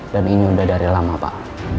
dan ini udah dari lama pak